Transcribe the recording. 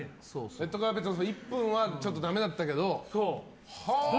「レッドカーペット」の１分はちょっとだめだったけどと。